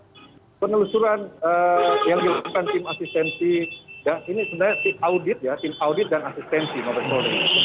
pertama penelusuran yang dilakukan tim asistensi ini sebenarnya tim audit dan asistensi mabes polri